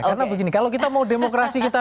karena begini kalau kita mau demokrasi kita